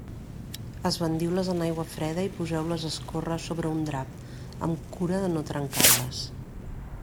Esbandiu-les en aigua freda i poseu-les a escórrer sobre un drap, amb cura de no trencar-les.